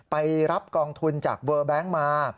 ไปรับกองทุนจากเวอร์แบงค์มา